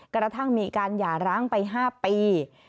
กระทั่งมีการหย่าร้างไป๕ปี